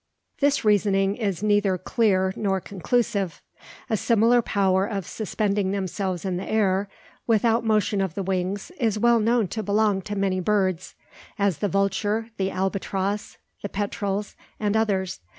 This reasoning is neither clear nor conclusive. A similar power of suspending themselves in the air, without motion of the wings is well known to belong to many birds, as the vulture, the albatross, the petrels, and others.